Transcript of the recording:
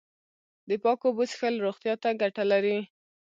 د پاکو اوبو څښل روغتیا ته گټه لري.